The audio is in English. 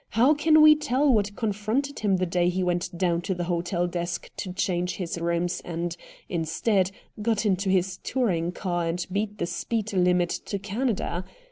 How can we tell what confronted him the day he went down to the hotel desk to change his rooms and, instead, got into his touring car and beat the speed limit to Canada.